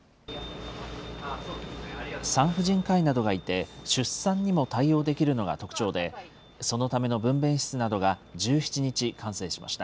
産婦人科医などがいて出産にも対応できるのが特徴で、そのための分べん室などが１７日、完成しました。